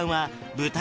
舞台